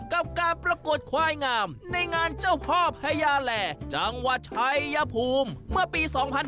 กับการประกวดควายงามในงานเจ้าพ่อพระยาแหล่จังหวัดไทยยภูมิ